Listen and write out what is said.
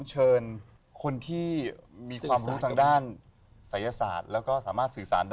เชิญคุณอุ้มอิมเลยนะครับ